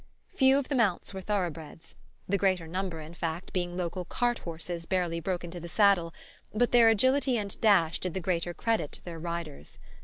Few of the mounts were thoroughbreds the greater number, in fact, being local cart horses barely broken to the saddle but their agility and dash did the greater credit to their riders.